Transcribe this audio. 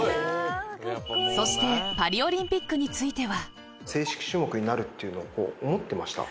そしてパリオリンピックについては。